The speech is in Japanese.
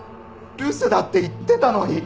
留守だって言ってたのに！